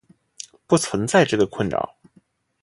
不存在这个困扰。